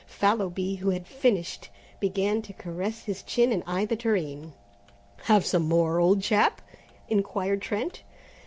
Fallowby, who had finished, began to caress his chin and eye the tureen. "Have some more, old chap?" inquired Trent.